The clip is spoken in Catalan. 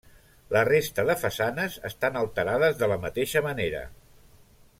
La resta de façanes estan alterades de la mateixa manera.